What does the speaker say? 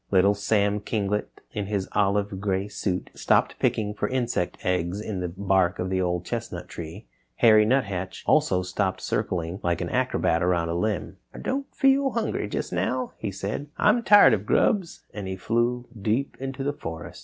Little Sam Kinglet, in his olive gray suit, stopped picking for insect eggs in the bark of the Old Chestnut Tree. Harry Nuthatch also stopped circling like an acrobat around a limb. "I don't feel hungry just now," he said, "I'm tired of grubs," and he flew deep into the forest.